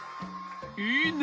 いいね。